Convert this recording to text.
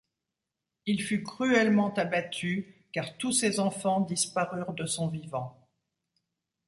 Il fut cruellement abattu, car tous ses enfants disparurent de son vivant.